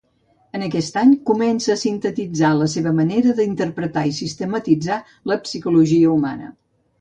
En aquest any comença a sintetitzar la seva manera d'interpretar i sistematitzar la psicologia humana.